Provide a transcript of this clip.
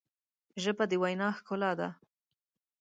ژبه د وینا ښکلا ده